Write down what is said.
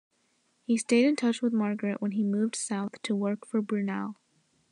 He stayed in touch with Margaret when he moved south to work for Brunel.